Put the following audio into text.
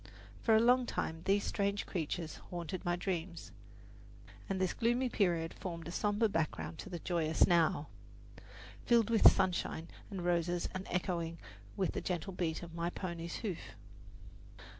For a long time these strange creatures haunted my dreams, and this gloomy period formed a somber background to the joyous Now, filled with sunshine and roses and echoing with the gentle beat of my pony's hoof.